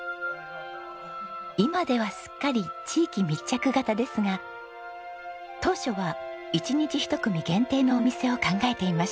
今ではすっかり地域密着型ですが当初は１日１組限定のお店を考えていました。